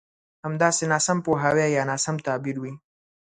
همداسې ناسم پوهاوی يا ناسم تعبير وي.